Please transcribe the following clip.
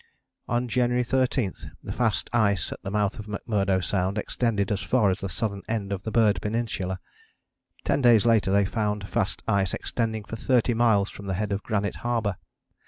On January 13 the fast ice at the mouth of McMurdo Sound extended as far as the southern end of the Bird Peninsula: ten days later they found fast ice extending for thirty miles from the head of Granite Harbour.